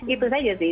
itu saja sih